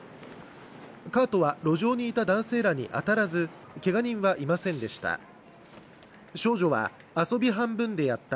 カートは路上にいた男性らに当たらず、けが人はいませんでした。